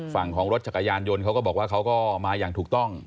ฝั่งของรถจักรยานยนต์เขาก็บอกว่าเขาก็มาอย่างถูกต้อง